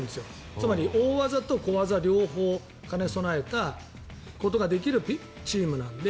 つまり、大技と小技両方を兼ね備えたことができるチームなので。